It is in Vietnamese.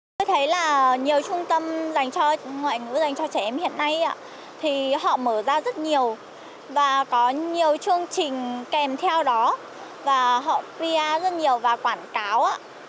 tôi thấy là nhiều trung tâm dành cho ngoại ngữ dành cho trẻ em hiện nay thì họ mở ra rất nhiều và có nhiều chương trình kèm theo đó và họ pia rất nhiều và quảng cáo